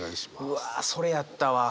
うわそれやったわ。